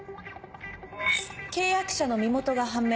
契約者の身元が判明。